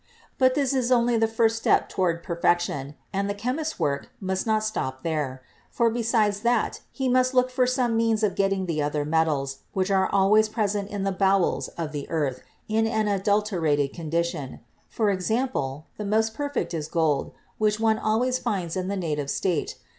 But that is only the first step toward perfection; and the chemist's work must not stop there, for, besides that, he must look for some means of getting the other metals, which are always present in the bowels of the earth in an adulterated condition. For example, the most perfect is gold, which one always finds in the native state.